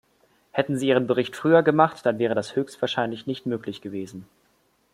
Hätten Sie Ihren Bericht früher gemacht, dann wäre das höchstwahrscheinlich nicht möglich gewesen!